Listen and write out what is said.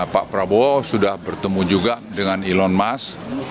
pak prabowo sudah bertemu juga dengan elon musk